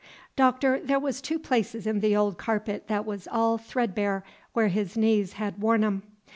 Doctor, there was two places in the old carpet that was all threadbare, where his knees had worn 'em.